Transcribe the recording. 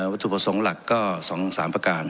วัตถุประสงค์หลักก็๒๓ประการ